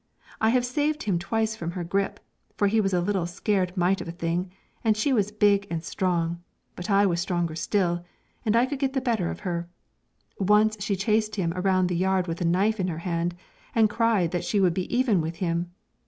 I have saved him twice from her grip, for he was a little scared mite of a thing, and she was big and strong, but I was stronger still, and I could get the better of her. Once she chased him around the yard with a knife in her hand, and cried that she would be even with him.